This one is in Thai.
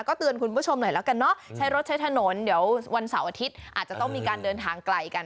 เตือนคุณผู้ชมหน่อยแล้วกันเนอะใช้รถใช้ถนนเดี๋ยววันเสาร์อาทิตย์อาจจะต้องมีการเดินทางไกลกัน